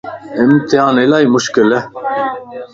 امتيان الائي مشڪلَ